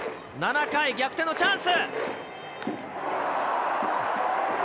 ７回、逆転のチャンス。